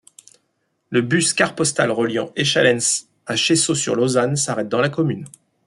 Le bus CarPostal reliant Échallens à Cheseaux-sur-Lausanne s'arrête dans la commune.